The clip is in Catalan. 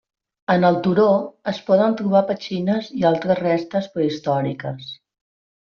En el turó es poden trobar petxines i altres restes prehistòriques.